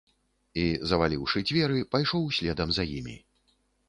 І, заваліўшы дзверы, пайшоў следам за імі.